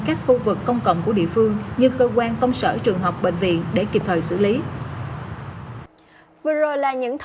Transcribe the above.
cây phượng thì nó có thể để rất là rộng